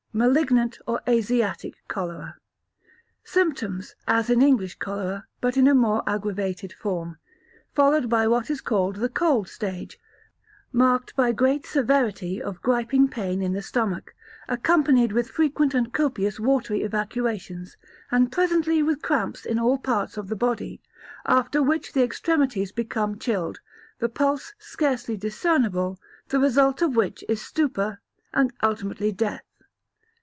Malignant or Asiatic cholera. Symptoms as in English cholera, but in a more aggravated form, followed by what is called the "cold stage," marked by great severity of griping pain in the stomach, accompanied with frequent and copious watery evacuations, and presently with cramps in all parts of the body; after which the extremities become chilled, the pulse scarcely discernible, the result of which is stupor and ultimately death.